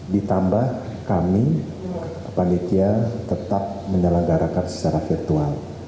ditambah kami panitia tetap menyelenggarakan secara virtual